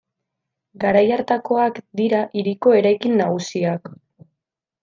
Garai hartakoak dira hiriko eraikin nagusiak.